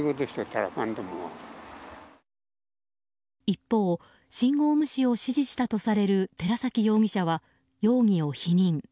一方、信号無視を指示したとされる寺崎容疑者は容疑を否認。